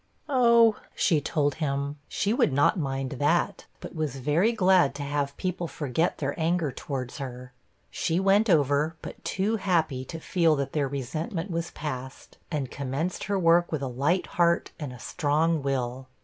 'Oh,' she told him, 'she would not mind that, but was very glad to have people forget their anger towards her.' She went over, but too happy to feel that their resentment was passed, and commenced her work with a light heart and a strong will.